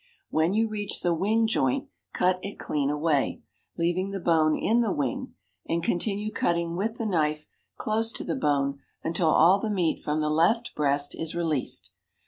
When you reach the wing joint cut it clean away, leaving the bone in the wing, and continue cutting with the knife close to the bone until all the meat from the left breast is released.